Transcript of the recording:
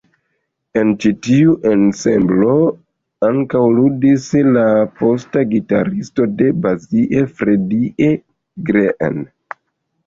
En ĉi tiu ensemblo ankaŭ ludis la posta gitaristo de Basie, Freddie Green.